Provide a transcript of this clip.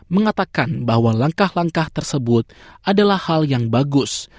mengatakan bahwa langkah langkah tersebut adalah hal yang bagus